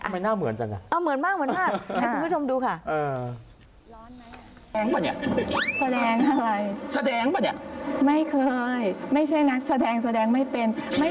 ไม่น่าเหมือนจังน่ะ